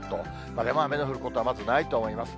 でも雨の降ることはまずないと思います。